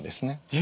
え。